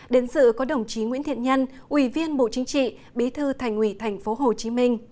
đến sự có đồng chí nguyễn thiện nhân ủy viên bộ chính trị bí thư thành ủy tp hcm